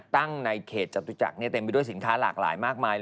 ตั้งในเขตจับตุจักรเนี่ยเต็มไปด้วยสินค้าหลากหลายมากมาย